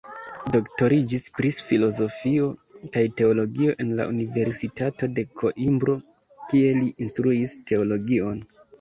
Doktoriĝis pri filozofio kaj teologio en la Universitato de Koimbro, kie li instruis teologion.